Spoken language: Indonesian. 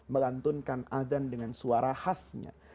melantunkan azan dengan suara khasnya